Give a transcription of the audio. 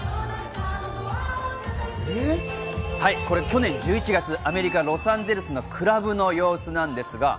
これ去年１１月、アメリカ・ロサンゼルスのクラブの様子です。